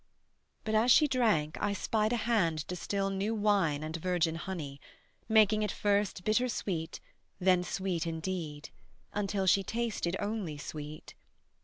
But as she drank I spied a hand distil New wine and virgin honey; making it First bitter sweet, then sweet indeed, until She tasted only sweet.